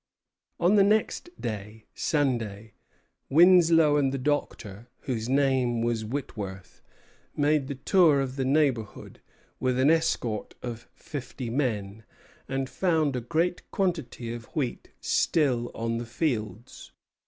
On the next day, Sunday, Winslow and the Doctor, whose name was Whitworth, made the tour of the neighborhood, with an escort of fifty men, and found a great quantity of wheat still on the fields.